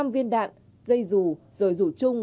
năm viên đạn dây rủ rồi rủ chung